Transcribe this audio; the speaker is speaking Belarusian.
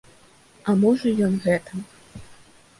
А можа ён гэта.